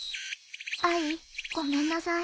あいごめんなさい。